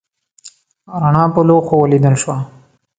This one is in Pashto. رڼا په لوښو ولیدل شوه.